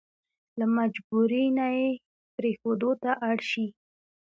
له مجبوري نه يې پرېښودو ته اړ شي.